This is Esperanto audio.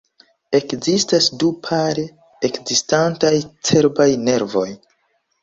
Ekzistas du pare ekzistantaj cerbaj nervoj.